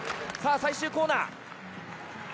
さあ最終コーナー。